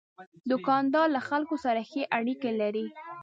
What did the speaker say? دوکاندار له خلکو سره ښې اړیکې لري.